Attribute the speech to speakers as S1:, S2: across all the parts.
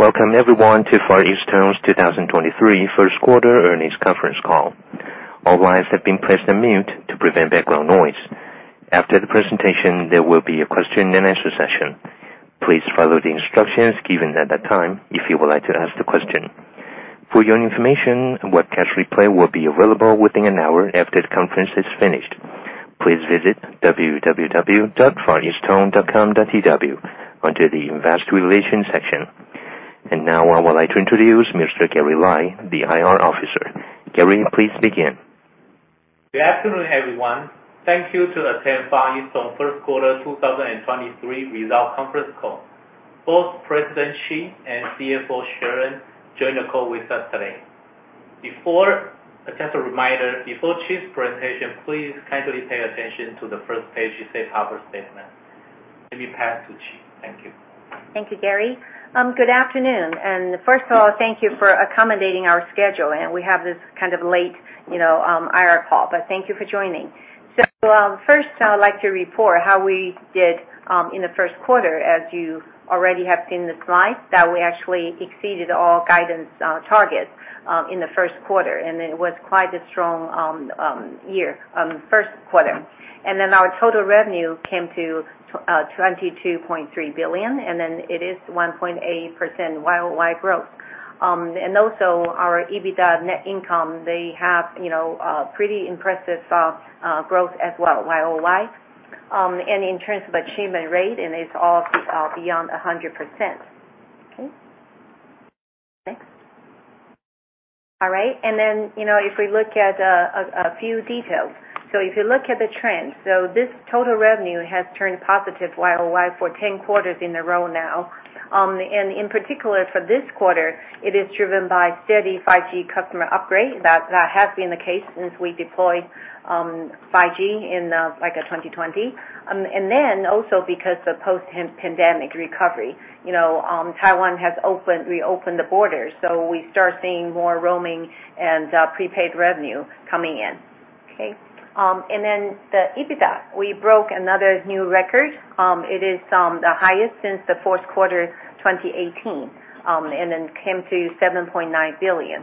S1: Welcome everyone to Far EasTone's 2023 Q1 earnings conference call. All lines have been pressed on mute to prevent background noise. After the presentation, there will be a question and answer session. Please follow the instructions given at that time if you would like to ask the question. For your information, a webcast replay will be available within an hour after the conference is finished. Please visit www.fareastone.com.tw under the Investor Relations section. Now I would like to introduce Mr. Gary Lai, the IR Officer. Gary, please begin.
S2: Good afternoon, everyone. Thank you to attend Far EasTone Q1 2023 result conference call. Both President Chi and CFO Sharon join the call with us today. Just a reminder, before Chi's presentation, please kindly pay attention to the first page's safe harbor statement. Let me pass to Chi. Thank you.
S3: Thank you, Gary. Good afternoon. First of all, thank you for accommodating our schedule, and we have this kind of late, you know, IR call. Thank you for joining. First I would like to report how we Q1, as you already have seen the slide, that we actually exceeded all guidance targets in the Q1, and it was quite a strong year, Q1. Our total revenue came to 22.3 billion, it is 1.8% Y-o-Y growth. Also our EBITDA net income, they have, you know, a pretty impressive growth as well Y-o-Y. In terms of achievement rate, it's all beyond 100%. Okay. Next. All right. You know, if we look at a few details. If you look at the trend, this total revenue has turned positive Y-o-Y for Q10 in a row now. In particular for this quarter, it is driven by steady 5G customer upgrade. That has been the case since we deployed 5G in like in 2020. Also because of post pan-pandemic recovery, you know, Taiwan has reopened the borders, we start seeing more roaming and prepaid revenue coming in. Okay. The EBITDA, we broke another new record. It is the highest since the Q4, 2018, came to 7.9 billion.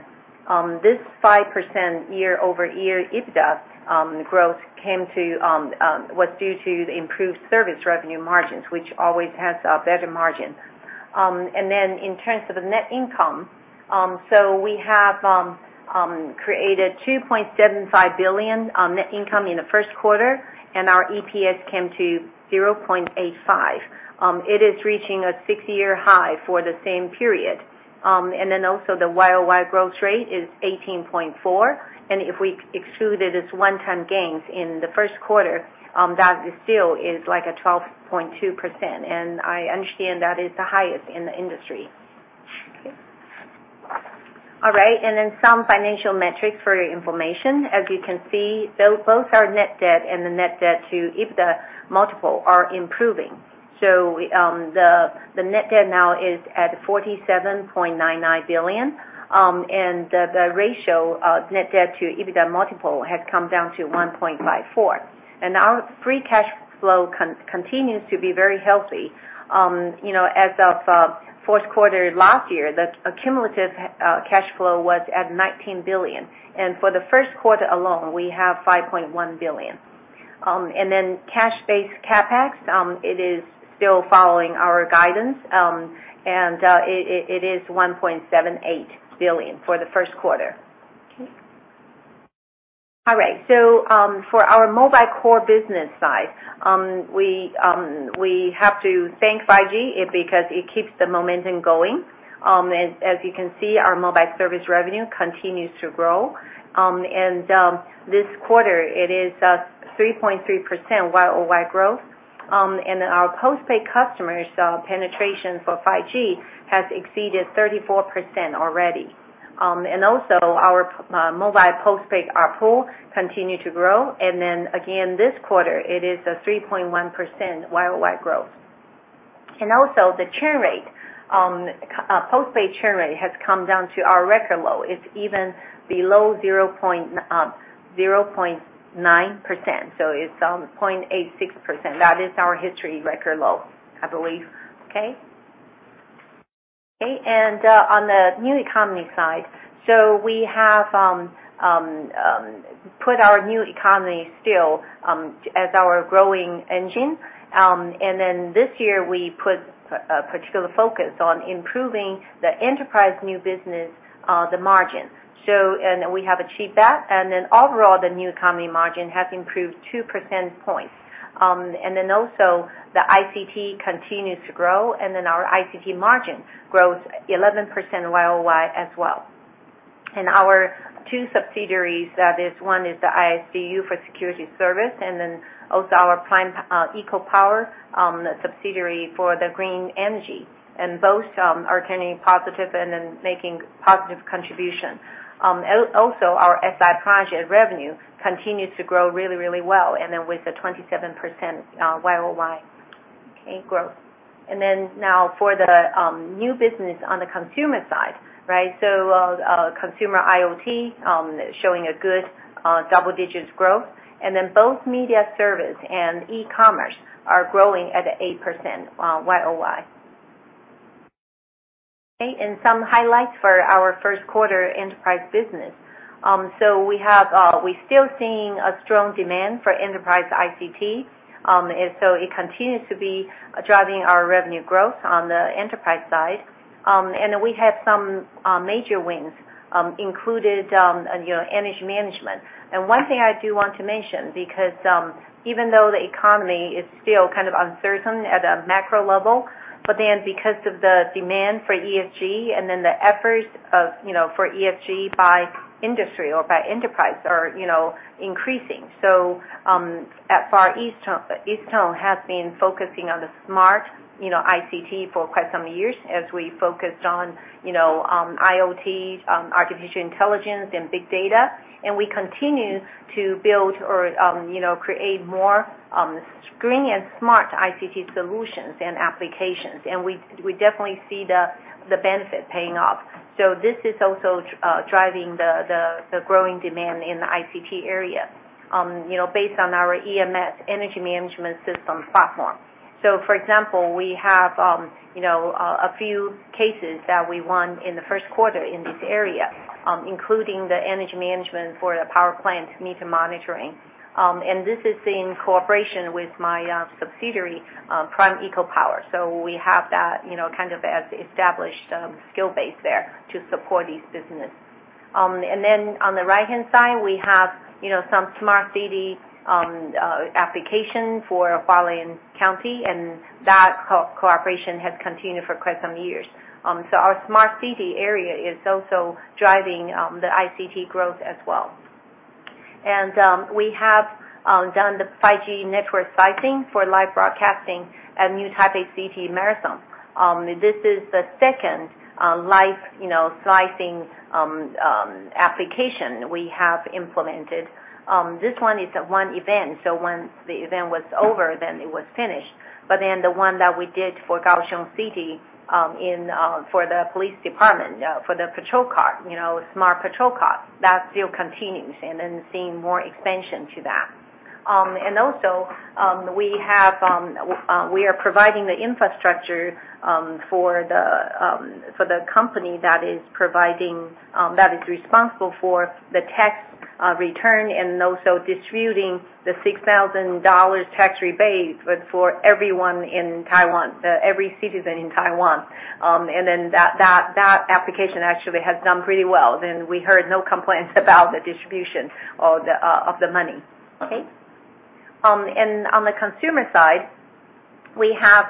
S3: This 5% year-over-year EBITDA growth came to... Was due to the improved service revenue margins, which always has a better margin. In terms of the net income, so we have created 2.75 billion net income in the Q1, and our EPS came to 0.85. It is reaching a six-year high for the same period. Also the Y-o-Y growth rate is 18.4%. If we excluded its one-time gains in the Q1, that still is like a 12.2%, and I understand that is the highest in the industry. Okay. All right. Some financial metrics for your information. As you can see, both our net debt and the net debt to EBITDA multiple are improving. The net debt now is at 47.99 billion. The ratio of net debt to EBITDA multiple has come down to 1.54. Our free cash flow continues to be very healthy. You know, Q1 last year, the accumulative cash flow was at 19 billion. For the Q1 alone, we have 5.1 billion. Cash-based CapEx, it is still following our guidance, and it is 1.78 billion for the Q1. For our mobile core business side, we have to thank 5G because it keeps the momentum going. As you can see, our mobile service revenue continues to grow. This quarter it is 3.3% Y-o-Y growth. Our postpaid customers, penetration for 5G has exceeded 34% already. Our mobile postpaid, our pool continue to grow. Again this quarter it is a 3.1% Y-o-Y growth. The churn rate, postpaid churn rate has come down to our record low. It's even below 0.9%, so it's on 0.86%. That is our history record low, I believe. Okay. On the new economy side, we have put our new economy still as our growing engine. This year we put a particular focus on improving the enterprise new business, the margin. We have achieved that. Overall, the new economy margin has improved 2 percent points. The ICT continues to grow, our ICT margin grows 11% Y-o-Y as well. Our two subsidiaries, that is one is the ISSDU for security service, our Prime EcoPower subsidiary for the green energy. Both are turning positive and making positive contribution. Our FI project revenue continues to grow really, really well with a 27% Y-o-Y growth. For the new business on the consumer side. Consumer IoT showing a good double-digit growth. Both media service and e-commerce are growing at 8% Y-o-Y. Some highlights for our Q1 enterprise business. We're still seeing a strong demand for enterprise ICT, and so it continues to be driving our revenue growth on the enterprise side. We have some major wins included, you know, energy management. One thing I do want to mention, because even though the economy is still kind of uncertain at a macro level, because of the demand for ESG and the efforts of, you know, for ESG by industry or by enterprise are, you know, increasing. At Far EasTone has been focusing on the smart, you know, ICT for quite some years as we focused on, you know, IoT, artificial intelligence and big data. We continue to build or, you know, create more green and smart ICT solutions and applications. We definitely see the benefit paying off. This is also driving the growing demand in the ICT area, you know, based on our EMS energy management system platform. For example, we have, you know, a few cases that we won in the Q1 in this area, including the energy management for the power plant meter monitoring. This is in cooperation with my subsidiary, Prime EcoPower. We have that, you know, kind of as established skill base there to support this business. On the right-hand side, we have, you know, some smart city application for Hualien County, and that cooperation has continued for quite some years. Our smart city area is also driving the ICT growth as well. We have done the 5G network slicing for live broadcasting at New Taipei City Marathon. This is the second live, you know, slicing application we have implemented. This one is a one event. Once the event was over, it was finished. The one that we did for Kaohsiung City, in for the police department, for the patrol car, you know, smart patrol cars, that still continues, seeing more expansion to that. We are providing the infrastructure for the company that is providing that is responsible for the tax return and also distributing the 6,000 dollars tax rebate with, for everyone in Taiwan, every citizen in Taiwan. That application actually has done pretty well. Then we heard no complaints about the distribution or the of the money. Okay? On the consumer side, we have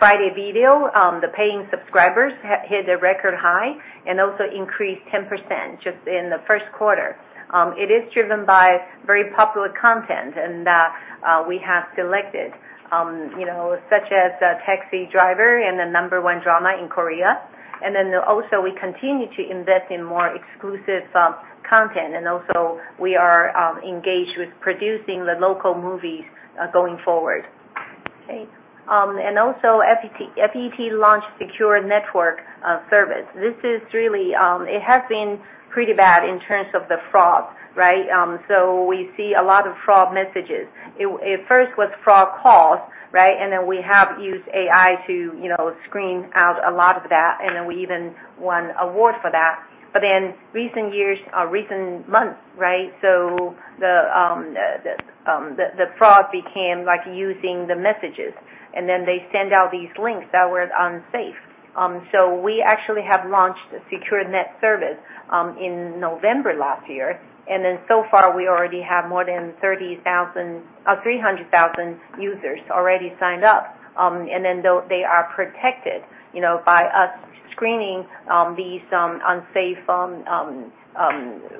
S3: friDay Video, the paying subscribers hit a record high and also increased 10% just in the Q1. It is driven by very popular content, we have selected, you know, such as Taxi Driver and the number one drama in Korea. We continue to invest in more exclusive content, we are engaged with producing the local movies going forward. Okay. FET launched secure network service. This is really, it has been pretty bad in terms of the fraud, right? We see a lot of fraud messages. It first was fraud calls, right? We have used AI to, you know, screen out a lot of that, and then we even won award for that. Recent years, recent months, right? The fraud became like using the messages, and then they send out these links that were unsafe. We actually have launched a secure net service in November last year. So far we already have more than 300,000 users already signed up. Though they are protected, you know, by us screening these unsafe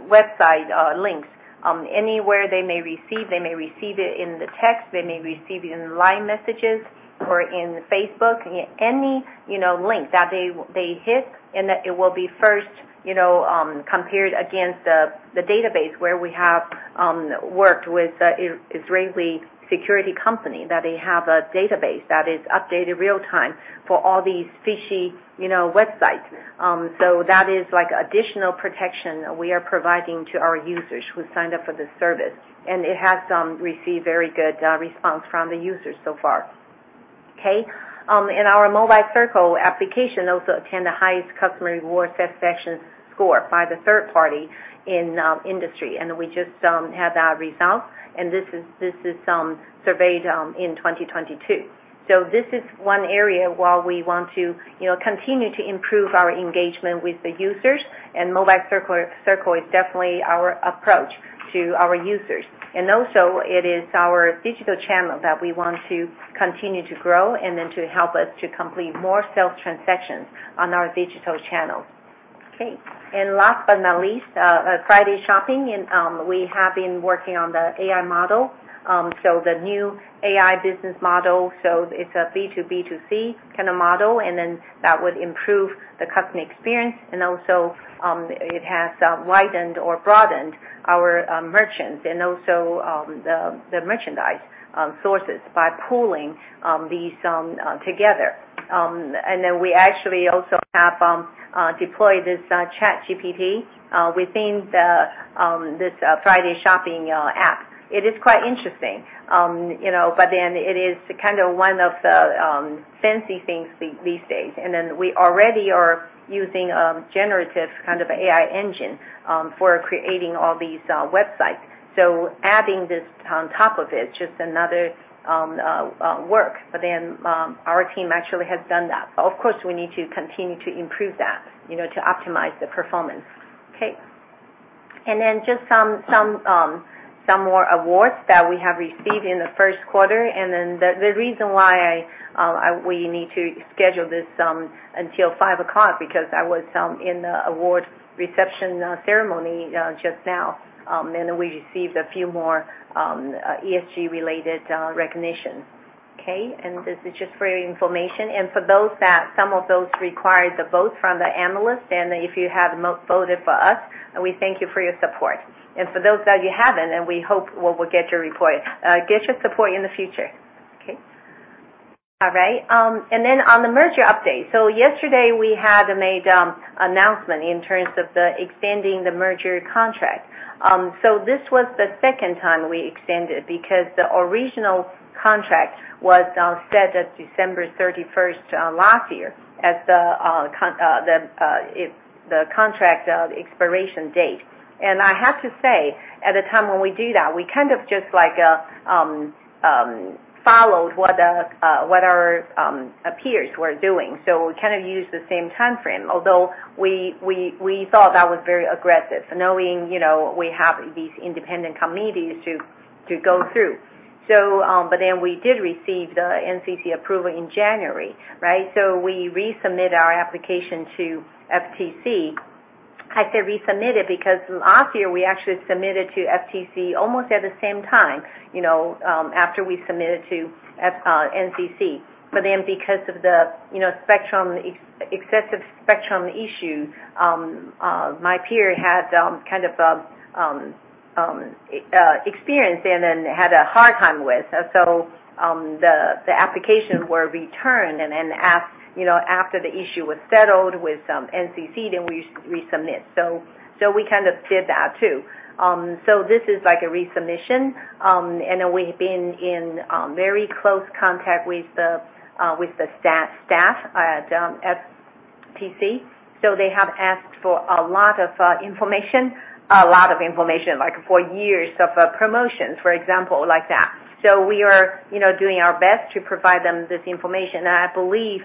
S3: website links anywhere they may receive. They may receive it in the text, they may receive it in LINE messages or in Facebook. Any, you know, link that they hit, and that it will be first, you know, compared against the database where we have worked with a Israeli security company, that they have a database that is updated real-time for all these fishy, you know, websites. So that is like additional protection we are providing to our users who signed up for this service, and it has received very good response from the users so far. Okay. Our Mobile Circle application also attained the highest customer reward satisfaction score by the third party in industry. We just had that result, and this is surveyed in 2022. This is one area where we want to, you know, continue to improve our engagement with the users, and Mobile Circle is definitely our approach to our users. It is our digital channel that we want to continue to grow and then to help us to complete more self-transactions on our digital channels. Okay. Last but not least, friDay Shopping and we have been working on the AI model. The new AI business model, so it's a B2B2C kinda model, and then that would improve the customer experience. It has widened or broadened our merchants and also the merchandise sources by pooling these together. We actually also have deploy this ChatGPT within the this friDay Shopping app. It is quite interesting. You know, it is kind of one of the fancy things these days. We already are using generative kind of AI engine for creating all these websites. Adding this on top of it, just another work. Our team actually has done that. Of course, we need to continue to improve that, you know, to optimize the performance. Okay? Just some more awards that we have received in the Q1. The reason why we need to schedule this until five o'clock, because I was in the award reception ceremony just now, and we received a few more ESG related recognition. Okay? This is just for your information. For those that some of those require the votes from the analyst, and if you have voted for us, we thank you for your support. For those that you haven't, then we hope we will get your report, get your support in the future. Okay. All right. Then on the merger update. Yesterday we had made announcement in terms of the extending the merger contract. This was the 2nd time we extended because the original contract was set at December 31st, last year as the contract expiration date. I have to say, at the time when we do that, we kind of just like, followed what our peers were doing. We kinda used the same timeframe, although we thought that was very aggressive knowing, you know, we have these independent committees to go through. We did receive the NCC approval in January, right? We resubmit our application to FTC. I say resubmitted because last year we actually submitted to NCC. Because of the, you know, spectrum, excessive spectrum issue, my peer had kind of experience and then had a hard time with. The application were returned. After you know, after the issue was settled with NCC, we resubmit. We kind of did that too. This is like a resubmission. We've been in very close contact with the staff at FTC. They have asked for a lot of information, like for years of promotions, for example, like that. We are, you know, doing our best to provide them this information. I believe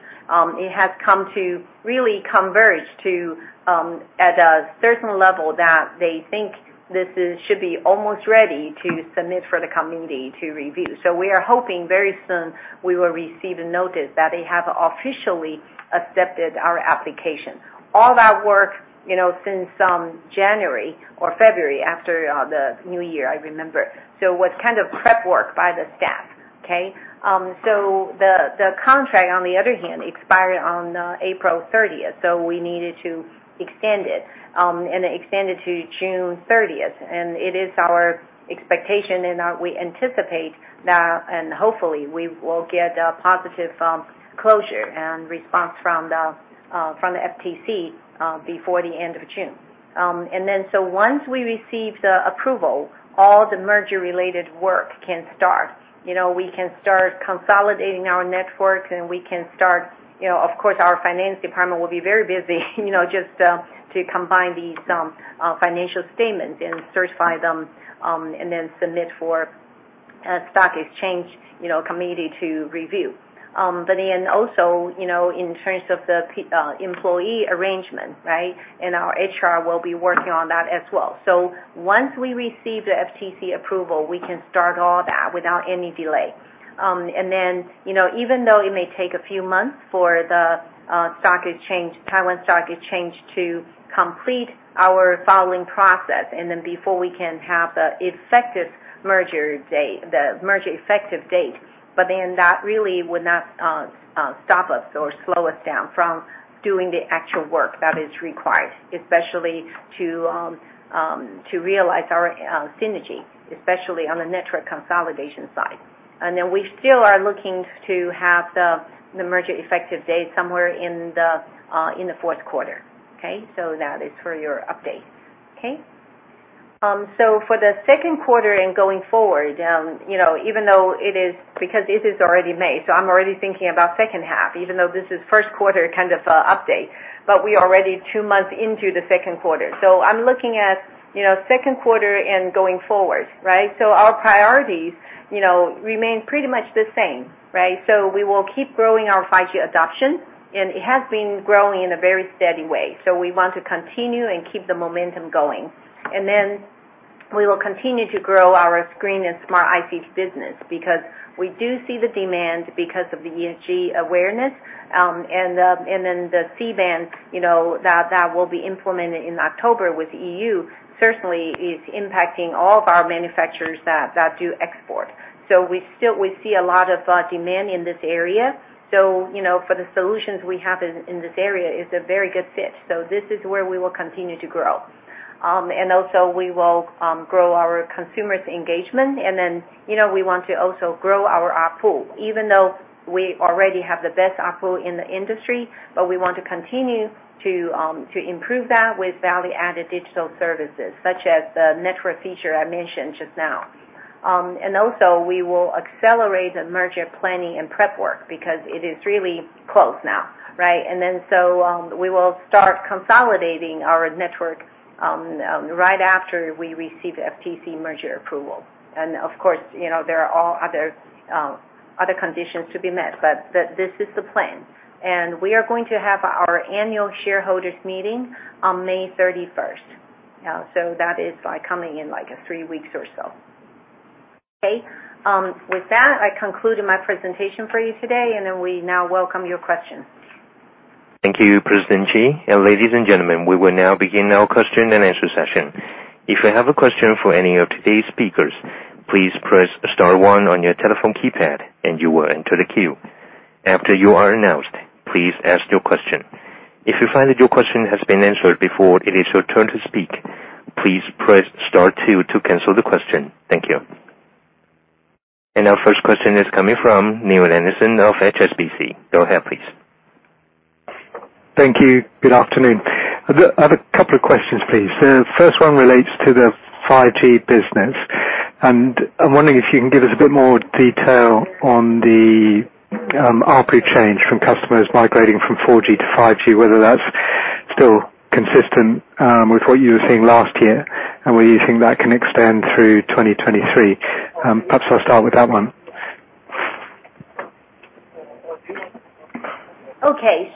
S3: it has come to really converge to at a certain level that they think this should be almost ready to submit for the committee to review. We are hoping very soon we will receive a notice that they have officially accepted our application. All that work, you know, since January or February, after the new year, I remember. It was kind of prep work by the staff. Okay? The, the contract, on the other hand, expired on April 30th, so we needed to extend it, and extend it to June 30th. It is our expectation and we anticipate that and hopefully we will get a positive closure and response from the FTC before the end of June. Once we receive the approval, all the merger related work can start. You know, we can start consolidating our network, and we can start, you know, of course, our finance department will be very busy, you know, just to combine these financial statements and certify them, and then submit for stock exchange, you know, committee to review. Also, you know, in terms of the employee arrangement, right? Our HR will be working on that as well. Once we receive the FTC approval, we can start all that without any delay. You know, even though it may take a few months for the Taiwan Stock Exchange to complete our following process, and then before we can have the effective merger date, the merger effective date. That really would not stop us or slow us down from doing the actual work that is required, especially to realize our synergy, especially on the network consolidation side. We still are looking to have the merger effective date somewhere in the Q4. Okay? That is for your update. Okay? For the Q2 and going forward, you know, even though it is because this is already May, so I'm already thinking about 2nd half, even though this is Q1 kind of update, but we are already 2 months into the Q2. I'm looking at, you know, Q2 and going forward, right? Our priorities, you know, remain pretty much the same, right? We will keep growing our 5G adoption, and it has been growing in a very steady way. We want to continue and keep the momentum going. We will continue to grow our screen and smart IC business because we do see the demand because of the ESG awareness. Then the C-band, you know, that will be implemented in October with EU certainly is impacting all of our manufacturers that do export. We still see a lot of demand in this area. You know, for the solutions we have in this area, it's a very good fit. This is where we will continue to grow. Also we will grow our consumers engagement. Then, you know, we want to also grow our ARPU, even though we already have the best ARPU in the industry, but we want to continue to improve that with value-added digital services such as the network feature I mentioned just now. Also we will accelerate the merger planning and prep work because it is really close now, right? We will start consolidating our network, right after we receive FTC merger approval. Of course, you know, there are all other conditions to be met, but this is the plan. We are going to have our annual shareholders meeting on May 31st. That is like coming in like three weeks or so. Okay. With that, I conclude my presentation for you today, and then we now welcome your questions.
S1: Thank you, President Chi. Ladies and gentlemen, we will now begin our question and answer session. If you have a question for any of today's speakers, please press star one on your telephone keypad, and you will enter the queue. After you are announced, please ask your question. If you find that your question has been answered before it is your turn to speak, please press star two to cancel the question. Thank you. Our first question is coming from Neale Anderson of HSBC. Go ahead, please.
S4: Thank you. Good afternoon. I have a couple of questions, please. The first one relates to the 5G business. I'm wondering if you can give us a bit more detail on the ARPU change from customers migrating from 4G to 5G, whether that's still consistent with what you were seeing last year. Whether you think that can extend through 2023. Perhaps I'll start with that one.
S3: Okay.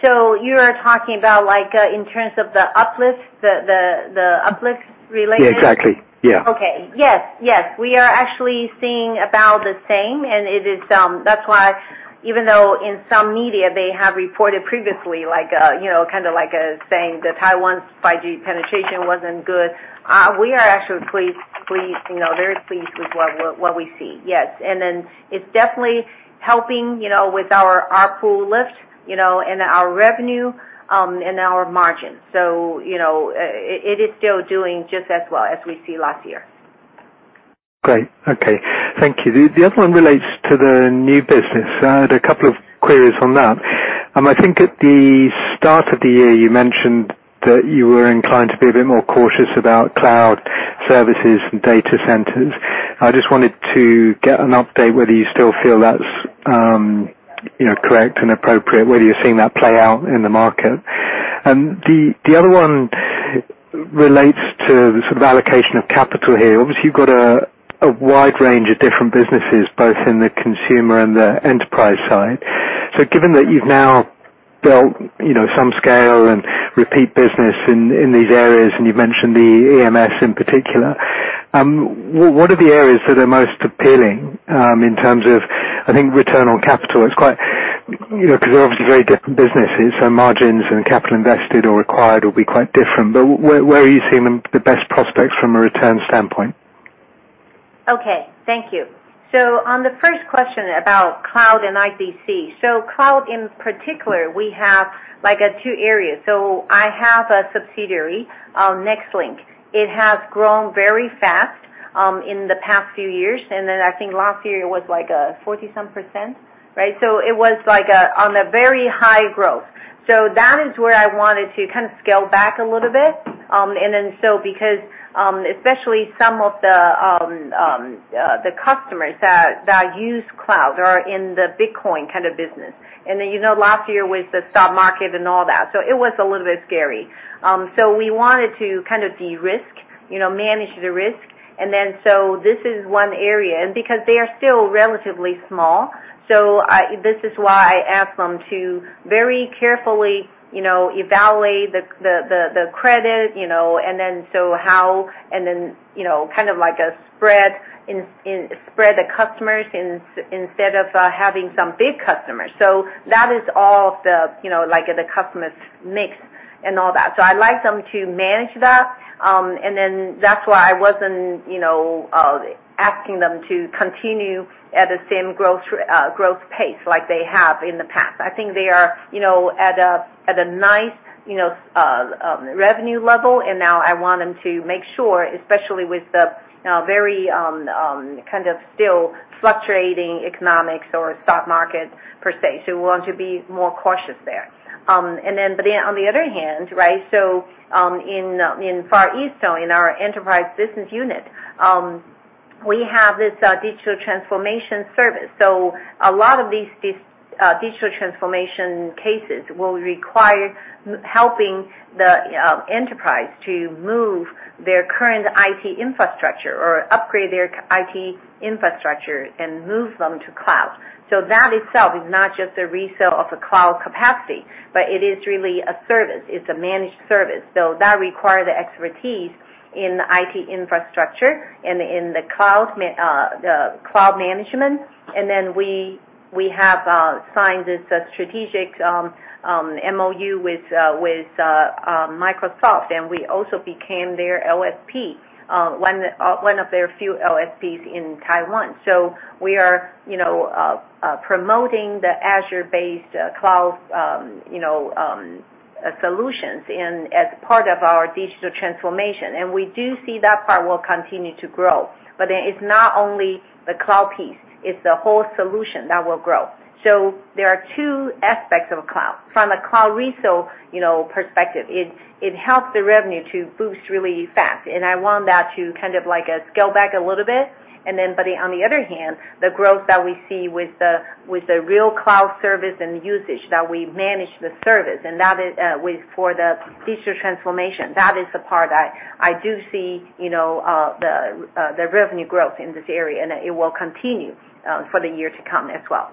S3: You are talking about like, in terms of the uplift, the uplift related?
S4: Yeah. Exactly, yeah.
S3: Okay. Yes. Yes. We are actually seeing about the same. It is. That's why even though in some media they have reported previously like, you know, kinda like, saying that Taiwan's 5G penetration wasn't good, we are actually pleased, you know, very pleased with what we see. Yes. It's definitely helping, you know, with our pool lift, you know, and our revenue, and our margin. You know, it is still doing just as well as we see last year.
S4: Great. Okay. Thank you. The other one relates to the new business. I had a couple of queries on that. I think at the start of the year you mentioned that you were inclined to be a bit more cautious about cloud services and data centers. I just wanted to get an update whether you still feel that's, you know, correct and appropriate, whether you're seeing that play out in the market. The other one relates to the sort of allocation of capital here. Obviously, you've got a wide range of different businesses both in the consumer and the enterprise side. Given that you've now built, you know, some scale and repeat business in these areas, and you've mentioned the EMS in particular, what are the areas that are most appealing in terms of, I think, return on capital? It's quite, you know, 'cause they're obviously very different businesses, so margins and capital invested or required will be quite different. Where are you seeing the best prospects from a return standpoint?
S3: Okay. Thank you. On the first question about cloud and IBC. Cloud in particular, we have like two areas. I have a subsidiary, Nextlink. It has grown very fast in the past few years. I think last year it was like 40 some %, right? It was like on a very high growth. That is where I wanted to kind of scale back a little bit. Because especially some of the customers that use cloud are in the Bitcoin kind of business. You know, last year was the stock market and all that. It was a little bit scary. We wanted to kind of de-risk, you know, manage the risk. This is one area, and because they are still relatively small, this is why I asked them to very carefully, you know, evaluate the credit, you know. You know, kind of like a spread the customers instead of having some big customers. That is all the, you know, like, the customer's mix and all that. I'd like them to manage that. That's why I wasn't, you know, asking them to continue at the same growth pace like they have in the past. I think they are, you know, at a, at a nice, you know, revenue level, and now I want them to make sure, especially with the very, kind of still fluctuating economics or stock market per se. We want to be more cautious there. On the other hand, right, in Far EasTone, in our enterprise business unit, we have this digital transformation service. A lot of these digital transformation cases will require helping the enterprise to move their current IT infrastructure or upgrade their IT infrastructure and move them to cloud. That itself is not just a resale of a cloud capacity, but it is really a service. It's a managed service. That require the expertise in IT infrastructure and in the cloud management. Then we have signed this strategic MOU with Microsoft, and we also became their LSP, one of their few LSPs in Taiwan. We are, you know, promoting the Azure-based cloud, you know, solutions as part of our digital transformation. We do see that part will continue to grow. It's not only the cloud piece, it's the whole solution that will grow. There are two aspects of cloud. From a cloud resale, you know, perspective, it helps the revenue to boost really fast. I want that to kind of like scale back a little bit. On the other hand, the growth that we see with the real cloud service and usage that we manage the service and that is for the digital transformation, that is the part I do see, you know, the revenue growth in this area. It will continue for the years to come as well.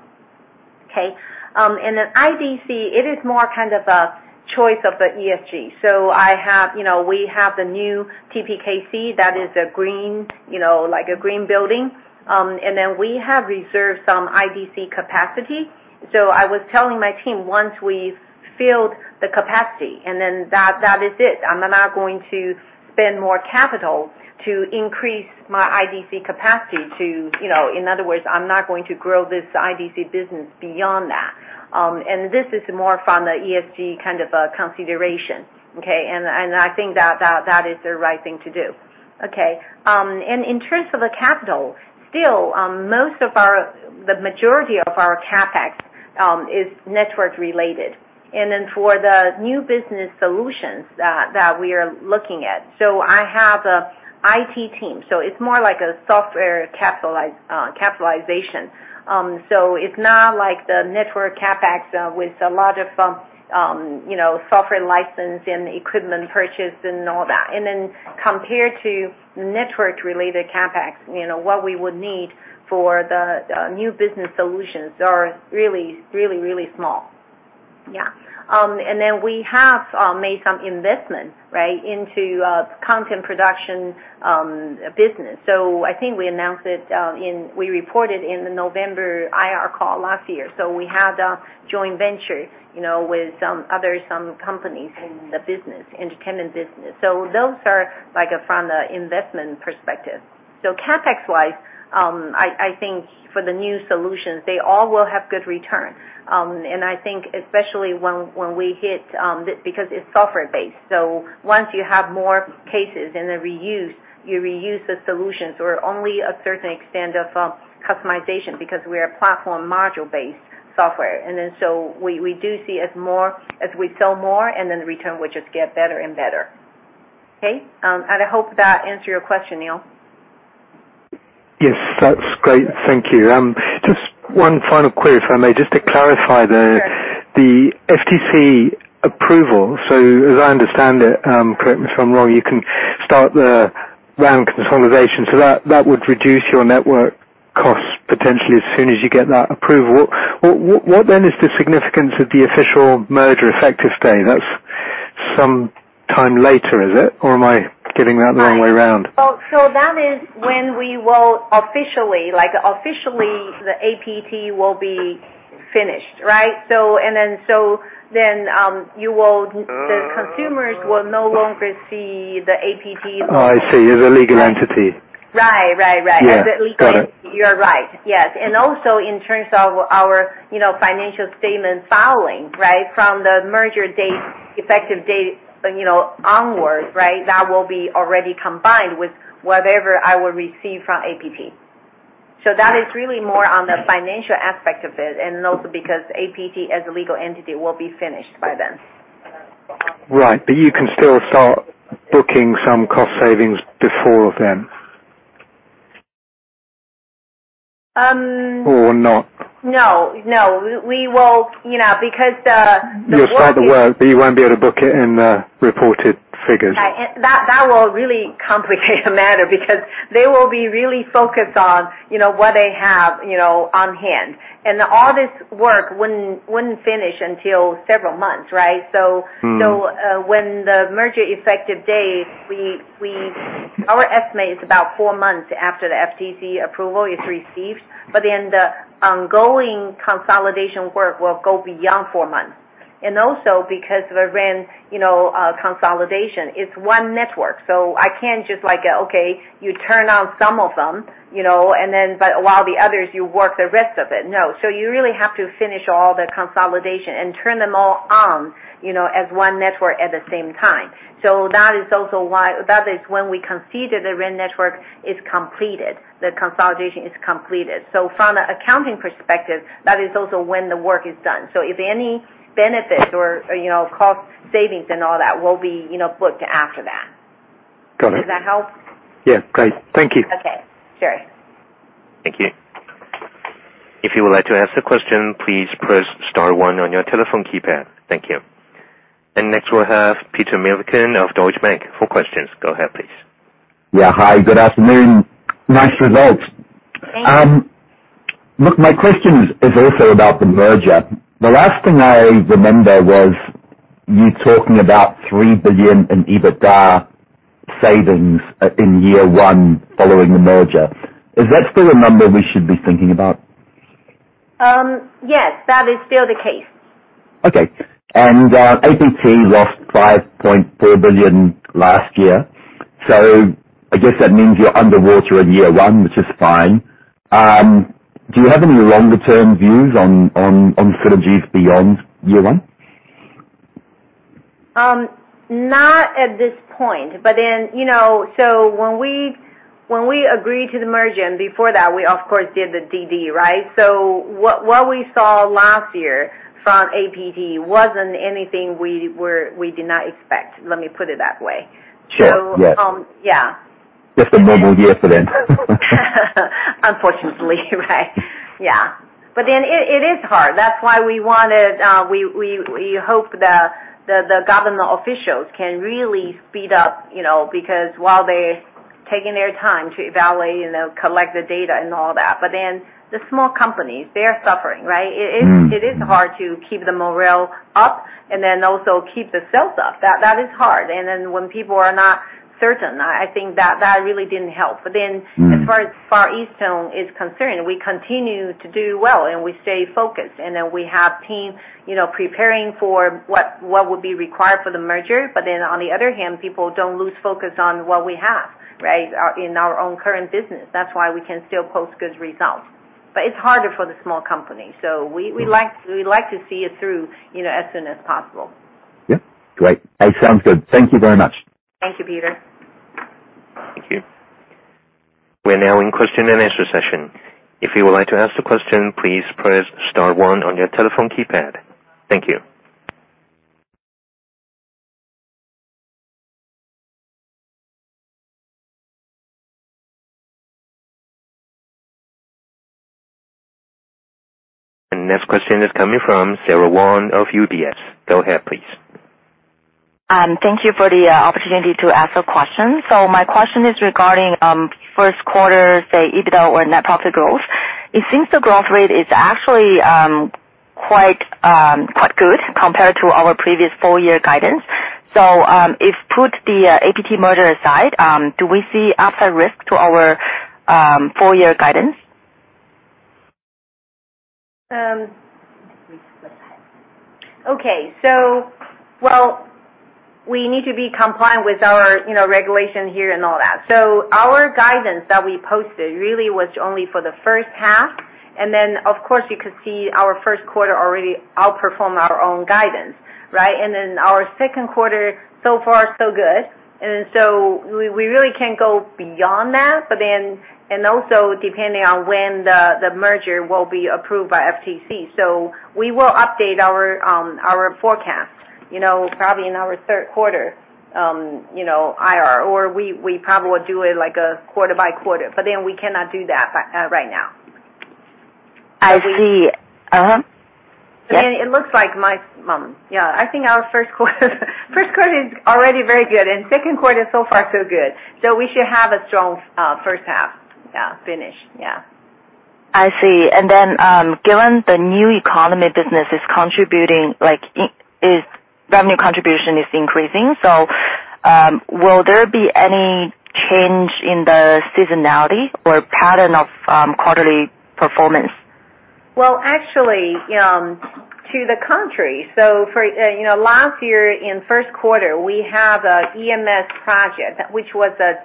S3: Okay. IDC, it is more kind of a choice of the ESG. I have, you know, we have the new TPKC that is a green, you know, like a green building. We have reserved some IDC capacity. I was telling my team once we've filled the capacity and then that is it. I'm not going to spend more capital to increase my IDC capacity to, you know, in other words, I'm not going to grow this IDC business beyond that. This is more from the ESG kind of a consideration, okay? I think that is the right thing to do. Okay. In terms of the capital, still, the majority of our CapEx is network related. For the new business solutions that we are looking at, so I have a IT team, so it's more like a software capitalization. It's not like the network CapEx with a lot of, you know, software license and equipment purchase and all that. Compared to network related CapEx, you know, what we would need for the new business solutions are really, really, really small. Yeah. We have made some investments, right, into content production business. I think we announced it, we reported in the November IR call last year. We have a joint venture, you know, with some other companies in the business, entertainment business. Those are like from the investment perspective. CapEx wise, I think for the new solutions, they all will have good return. And I think especially when we hit, this because it's software based, so once you have more cases and then you reuse the solutions or only a certain extent of customization because we are platform module based software. We do see as we sell more and then return will just get better and better. Okay? I hope that answer your question, Neale.
S4: Yes. That's great. Thank you. Just one final query, if I may, just to clarify.
S3: Sure.
S4: As I understand it, correct me if I'm wrong, you can start the RAN consolidation. That would reduce your network costs potentially as soon as you get that approval. What then is the significance of the official merger effective date? That's some time later, is it? Or am I getting that the wrong way around?
S3: that is when we will officially, like officially the APT will be finished. Right? you will the consumers will no longer see the APT-
S4: Oh, I see. As a legal entity.
S3: Right. Right. Right.
S4: Yeah. Got it.
S3: You're right. Yes. Also in terms of our, you know, financial statement filing, right? From the merger date, effective date, you know, onwards, right? That will be already combined with whatever I will receive from APT. That is really more on the financial aspect of it, and also because APT as a legal entity will be finished by then.
S4: Right. You can still start booking some cost savings before then.
S3: Um.
S4: not?
S3: No, no. We will, you know, because.
S4: You'll start the work, but you won't be able to book it in the reported figures.
S3: Yeah. That will really complicate the matter because they will be really focused on, you know, what they have, you know, on hand. All this work wouldn't finish until several months, right?
S4: Mm.
S3: When the merger effective date, our estimate is about four months after the FTC approval is received. The ongoing consolidation work will go beyond four months. Because the RAN, you know, consolidation, it's one network, I can't just like, okay, you turn on some of them, you know, while the others you work the rest of it. No. You really have to finish all the consolidation and turn them all on, you know, as one network at the same time. That is also why that is when we consider the RAN network is completed, the consolidation is completed. From an accounting perspective, that is also when the work is done. If any benefits or, you know, cost savings and all that will be, you know, booked after that.
S4: Got it.
S3: Does that help?
S4: Yeah. Great. Thank you.
S3: Okay. Sure.
S1: Thank you. If you would like to ask the question, please press star one on your telephone keypad. Thank you. Next we'll have Peter Milliken of Deutsche Bank for questions. Go ahead, please.
S5: Yeah. Hi, good afternoon. Nice results.
S3: Thank you.
S5: Look, my question is also about the merger. The last thing I remember was you talking about 3 billion in EBITDA savings in year one following the merger. Is that still a number we should be thinking about?
S3: Yes, that is still the case.
S5: Okay. APT lost 5.4 billion last year. I guess that means you're underwater in year 1, which is fine. Do you have any longer term views on synergies beyond year 1?
S3: Not at this point. you know, when we, when we agreed to the merger and before that, we of course, did the DD, right? what we saw last year from APT wasn't anything we did not expect, let me put it that way.
S5: Sure. Yes.
S3: Yeah.
S5: Just a normal year for them.
S3: Unfortunately, right. Yeah. It is hard. That's why we wanted, we hope the government officials can really speed up, you know, because while they're taking their time to evaluate, you know, collect the data and all that, the small companies, they are suffering, right?
S5: Mm.
S3: It is hard to keep the morale up and then also keep the sales up. That is hard. When people are not certain, I think that really didn't help.
S5: Mm.
S3: As far as Far EasTone is concerned, we continue to do well, and we stay focused. We have team, you know, preparing for what would be required for the merger. On the other hand, people don't lose focus on what we have, right? In our own current business. That's why we can still post good results. It's harder for the small company. We like to see it through, you know, as soon as possible.
S5: Yeah. Great. It sounds good. Thank you very much.
S3: Thank you, Peter.
S5: Thank you.
S1: We're now in question and answer session. If you would like to ask the question, please press star one on your telephone keypad. Thank you. Next question is coming from Sarah Wang of UBS. Go ahead, please.
S6: Thank you for the opportunity to ask a question. My question is regarding first quarter, say EBITDA or net profit growth. It seems the growth rate is actually quite good compared to our previous full year guidance. If put the APT merger aside, do we see upside risk to our full year guidance?
S3: Okay. Well, we need to be compliant with our, you know, regulation here and all that. Our guidance that we posted really was only for the first half. Of course, you could see our Q1 already outperform our own guidance, right? Our Q2, so far so good. We really can't go beyond that. Also depending on when the merger will be approved by FTC. We will update our forecast, you know, probably in our Q3, you know, IR or we probably would do it like a quarter-by-quarter, but we cannot do that right now.
S6: I see. Uh-huh.
S3: I mean, it looks like I think our Q1 is already very good. Q1 is so far so good. We should have a strong first half finish.
S6: I see. Given the new economy business is contributing like in... Revenue contribution is increasing, so, will there be any change in the seasonality or pattern of quarterly performance?
S3: Well, actually, to the contrary. For, you know, last year in Q1, we have a EMS project, which was a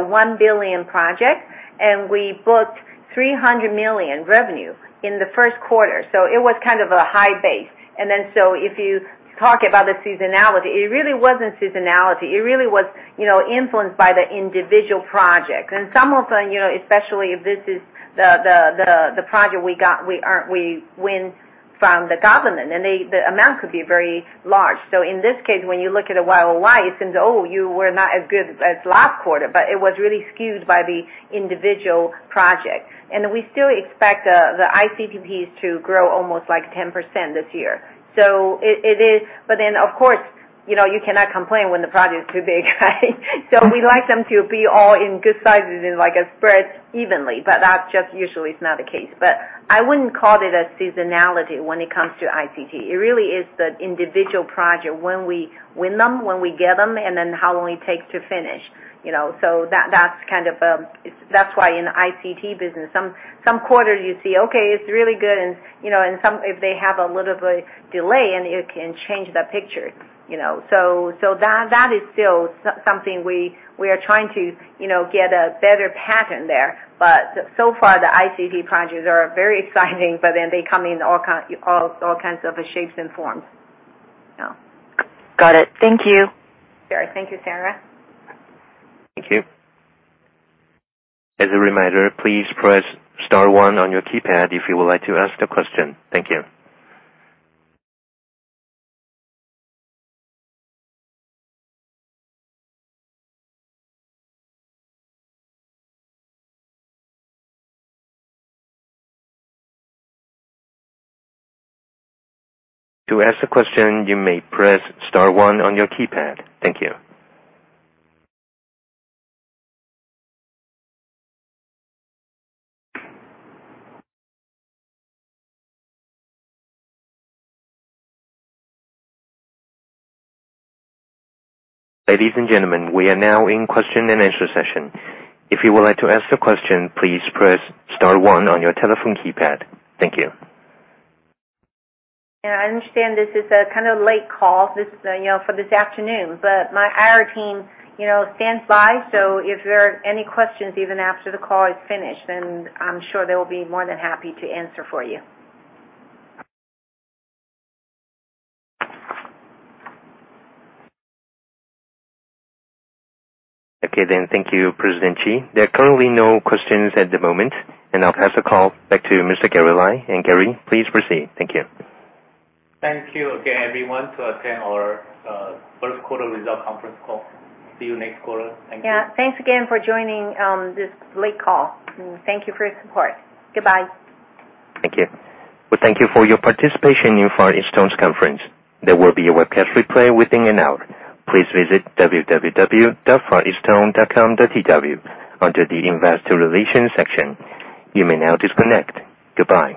S3: 1 billion project, and we booked 300 million revenue in the Q1. It was kind of a high base. If you talk about the seasonality, it really wasn't seasonality. It really was, you know, influenced by the individual project. Some of them, you know, especially if this is the project we got, we win from the government and the amount could be very large. In this case, when you look at a Y-o-Y, it seems, oh, you were not as good as last quarter, but it was really skewed by the individual project. We still expect the ICT piece to grow almost like 10% this year. It is. Of course, you know, you cannot complain when the project is too big, right? We like them to be all in good sizes and like a spread evenly. That's just usually is not the case. I wouldn't call it a seasonality when it comes to ICT. It really is the individual project. When we win them, when we get them, and then how long it takes to finish, you know. That's kind of, that's why in ICT business some quarters you see, okay, it's really good and, you know, and some if they have a little bit delay and it can change the picture, you know. That is still something we are trying to, you know, get a better pattern there. So far the ICT projects are very exciting, they come in all kinds of shapes and forms. Yeah.
S6: Got it. Thank you.
S3: Sure. Thank you, Sarah.
S1: Thank you. As a reminder, please press star one on your keypad if you would like to ask the question. Thank you. To ask a question, you may press star one on your keypad. Thank you. Ladies and gentlemen, we are now in question and answer session. If you would like to ask the question, please press star one on your telephone keypad. Thank you.
S3: I understand this is a kind of late call, this, you know, for this afternoon, but my IR team, you know, stands by, so if there are any questions even after the call is finished, then I'm sure they will be more than happy to answer for you.
S1: Okay, then. Thank you, President Chi. There are currently no questions at the moment. I'll pass the call back to Mr. Gary Lai. Gary, please proceed. Thank you.
S2: Thank you again everyone to attend our Q1 result conference call. See you next quarter. Thank you.
S3: Yeah. Thanks again for joining, this late call. Thank you for your support. Goodbye.
S2: Thank you. Well, thank you for your participation in Far EasTone's conference. There will be a webcast replay within an hour. Please visit www.fareastone.com.tw under the Investor Relations section. You may now disconnect. Goodbye.